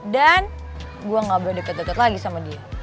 dan gue gak boleh depet depet lagi sama dia